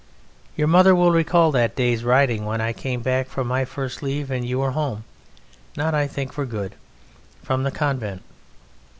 Your mother will recall that day's riding when I came back from my first leave and you were home, not, I think, for good, from the convent.